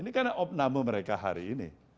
ini karena opname mereka hari ini